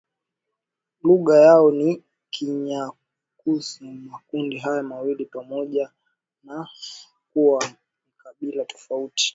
Lugha yao ni Kinyakyusa Makundi haya mawili pamoja na kuwa makibali tofauti